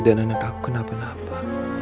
dan anak aku kenapa napa